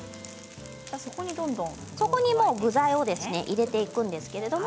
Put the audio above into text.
具材を入れていくんですけれども。